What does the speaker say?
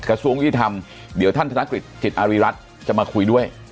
จะสู้กับที่ทำเดี๋ยวท่านธนกฤษจิตอาริรัติจะมาคุยด้วย